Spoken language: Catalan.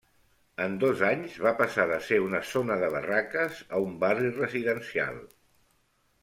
En dos anys va passar de ser una zona de barraques a un barri residencial.